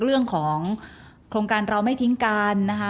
เรื่องของโครงการเราไม่ทิ้งกันนะคะ